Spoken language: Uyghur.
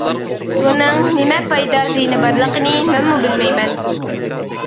بۇنىڭ نېمە پايدا-زىيىنى بارلىقىنى مەنمۇ بىلمەيمەن.